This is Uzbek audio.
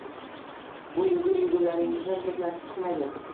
Bu yugur-yugurlaringizdan hech narsa chiqmaydi.